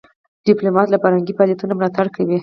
ډيپلومات له فرهنګي فعالیتونو ملاتړ کوي.